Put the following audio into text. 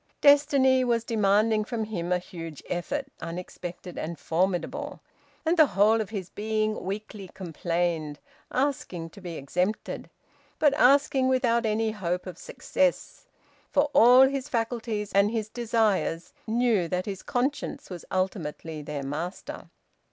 Destiny was demanding from him a huge effort, unexpected and formidable, and the whole of his being weakly complained, asking to be exempted, but asking without any hope of success; for all his faculties and his desires knew that his conscience was ultimately their master.